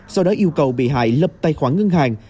sau đó yêu cầu bị hại lập tài khoản ngân hàng